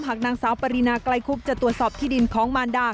นางสาวปรินาไกลคุบจะตรวจสอบที่ดินของมารดา